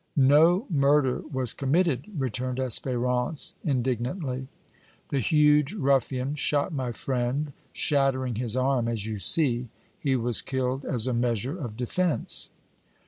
"No murder was committed," returned Espérance, indignantly. "The huge ruffian shot my friend, shattering his arm, as you see; he was killed as a measure of defence."